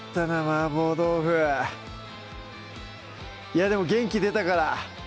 いやでも元気出たから！